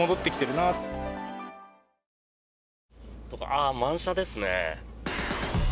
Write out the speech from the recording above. あ、満車ですね。